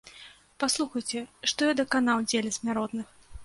Паслухайце, што я даканаў дзеля смяротных.